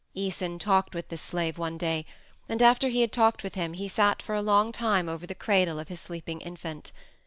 Æson talked with this slave one day, and after he had talked with him he sat for a long time over the cradle of his sleeping infant.